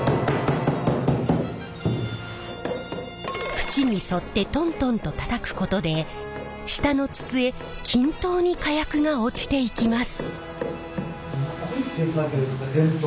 縁に沿ってトントンとたたくことで下の筒へ均等に火薬が落ちていきます。